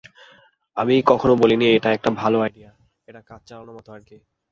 আমি কখনো বলিনি এটা একটা ভালো আইডিয়া, এটা কাজ চালানোর মতো আর কি!